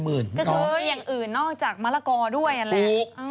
ก็คืออย่างอื่นนอกจากมะละกอด้วยนั่นแหละ